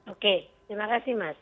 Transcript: oke terima kasih mas